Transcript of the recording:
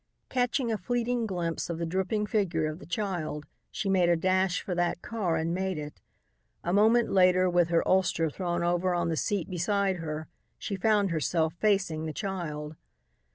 Catching a fleeting glimpse of the dripping figure of the child, she made a dash for that car and made it. A moment later, with her ulster thrown over on the seat beside her, she found herself facing the child.